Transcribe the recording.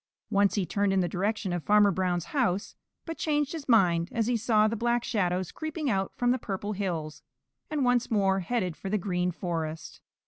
Once he turned in the direction of Farmer Brown's house, but changed his mind as he saw the Black Shadows creeping out from the Purple Hills, and once more headed for the Green Forest.